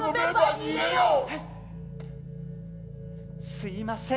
すいません